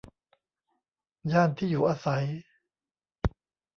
ย่านที่อยู่อาศัย